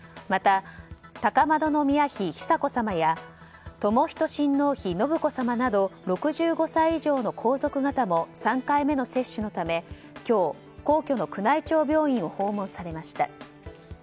また、高円宮妃久子さまや寛仁親王妃信子さまなど６５歳以上の皇族方も３回目の接種のため今日、皇居の宮内庁病院を訪問されました。